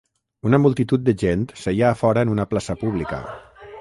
Una multitud de gent seia a fora en una plaça pública.